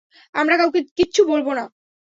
আমরা কাউকে কিচ্ছু বলবো না।